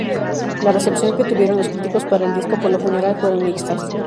La recepción que tuvieron los críticos para el disco por lo general fueron mixtas.